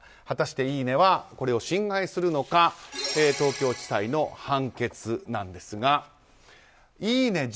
果たして、いいねはこれを侵害するのか東京地裁の判決なんですがいいね